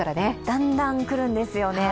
だんだん来るんですよね。